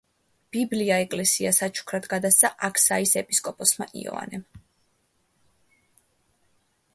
ბიბლია ეკლესიას საჩუქრად გადასცა აქსაის ეპისკოპოსმა იოანემ.